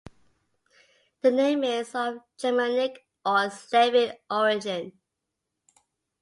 The name is of Germanic or Slavic origin.